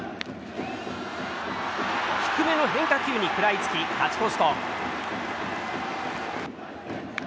低めの変化球に食らいつき勝ち越すと。